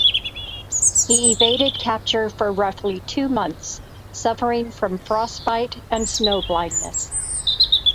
He evaded capture for roughly two months, suffering from frostbite and snow blindness.